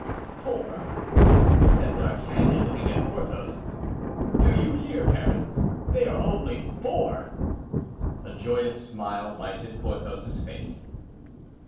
"Four!" said D'Artagnan, looking at Porthos. "Do you hear, baron? They are only four!" A joyous smile lighted Porthos's face.